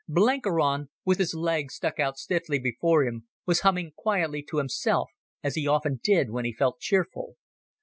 Blenkiron, with his leg stuck out stiffly before him, was humming quietly to himself, as he often did when he felt cheerful.